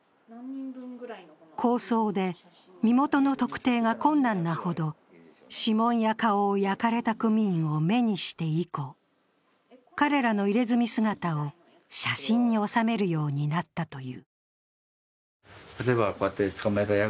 抗争で身元の特定が困難なほど指紋や顔を焼かれた組員を目にして以降、彼らの入れ墨姿を写真に収めるようになったという。